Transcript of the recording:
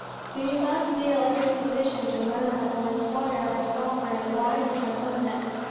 ... "We do not feel a disposition to murmur, or inquire of our Sovereign why he has done this.